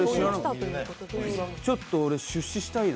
ちょっと俺、出資したいな。